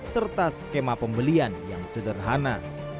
serta skema pembelian yang sederhana